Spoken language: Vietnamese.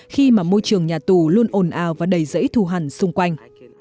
khi mà môi trường nhà tù luôn ồn ào và đầy rẫy thù hẳn xung quanh